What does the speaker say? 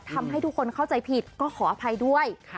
ทำให้ทุกคนเข้าใจผิดก็ขออภัยด้วย